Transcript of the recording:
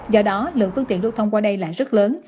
do đó lượng phương tiện đu thông qua đây là rất lớn